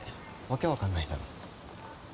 訳分かんないだろ。